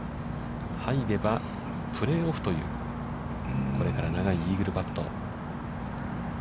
入ればプレーオフという、これから長いイーグルパット。